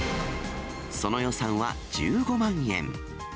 その予算は１５万円。